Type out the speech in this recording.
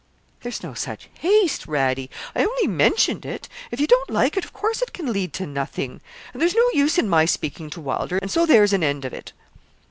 'There's no such haste, Radie. I only mentioned it. If you don't like it, of course it can lead to nothing, and there's no use in my speaking to Wylder, and so there's an end of it.'